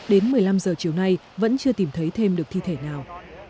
đến một mươi năm h chiều nay vẫn chưa tìm thấy thêm được thi thể nào